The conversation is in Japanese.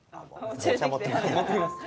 持って来ます。